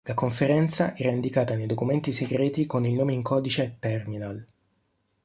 La conferenza era identificata nei documenti segreti con il nome in codice "Terminal".